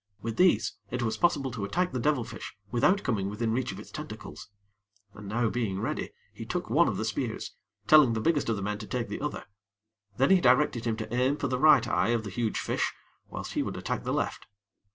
With these, it was possible to attack the devilfish without coming within reach of its tentacles. And now being ready, he took one of the spears, telling the biggest of the men to take the other. Then he directed him to aim for the right eye of the huge fish whilst he would attack the left.